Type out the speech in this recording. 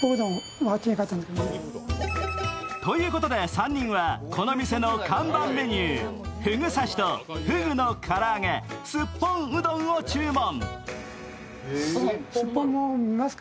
３人はこの店の看板メニュー、ふぐ刺しとふぐの唐揚げすっぽんうどんを注文。